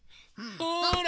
ほら！